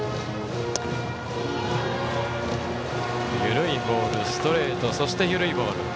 緩いボール、ストレートそして緩いボール。